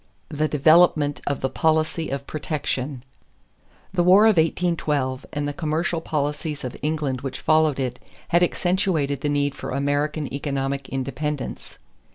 The Development of the Policy of "Protection." The war of 1812 and the commercial policies of England which followed it had accentuated the need for American economic independence.